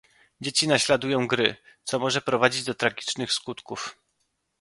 Dzieci naśladują gry, co może prowadzić to tragicznych skutków